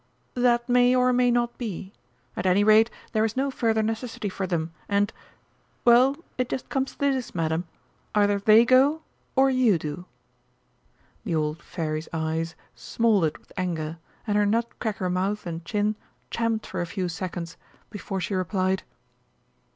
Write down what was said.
"That may or may not be. At any rate there is no further necessity for them, and well, it just comes to this, Madam, either they go or you do." The old Fairy's eyes smouldered with anger, and her nut cracker mouth and chin champed for a few seconds before she replied.